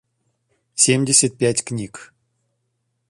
семьдесят пять книг